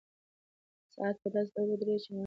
ساعت په داسې ډول ودرېد چې مانا یې ورکه شوه.